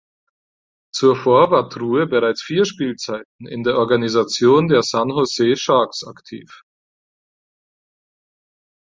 Zuvor war True bereits vier Spielzeiten in der Organisation der San Jose Sharks aktiv.